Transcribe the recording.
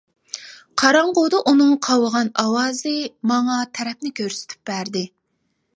قاراڭغۇدا ئۇنىڭ قاۋىغان ئاۋازى ماڭا تەرەپنى كۆرسىتىپ بەردى.